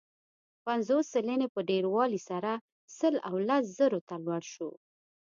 پنځوس سلنې په ډېروالي سره سل او لس زرو ته لوړ شو.